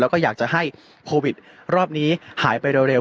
แล้วก็อยากจะให้โควิดรอบนี้หายไปเร็ว